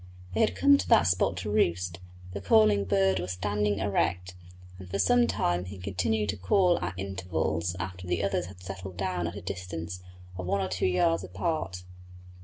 They had come to that spot to roost; the calling bird was standing erect, and for some time he continued to call at intervals after the others had settled down at a distance of one or two yards apart.